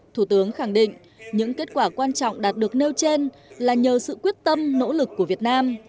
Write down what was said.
thủ tướng khẳng định những kết quả quan trọng đạt được nêu trên là nhờ sự quyết tâm nỗ lực của việt nam